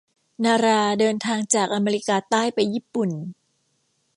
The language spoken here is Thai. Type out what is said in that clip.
นาราเดินทางจากอเมริกาใต้ไปญี่ปุ่น